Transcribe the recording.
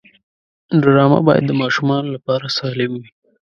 ډرامه باید د ماشومانو لپاره سالم وي